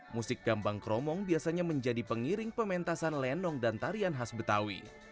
musik gambang kromong biasanya menjadi pengiring pementasan lenong dan tarian khas betawi